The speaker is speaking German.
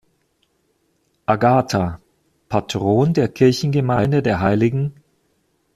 Agatha, Patron der Kirchengemeinde der Hl.